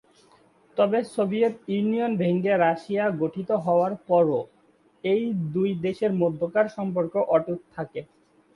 তবে Soviet Union ভেঙ্গে Russia গঠিত হওয়ার পরও এই দুই দেশের মধ্যকার সম্পর্ক অটুট থাকে।